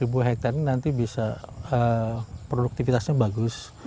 ini bisa empat hektare nanti bisa produktivitasnya bagus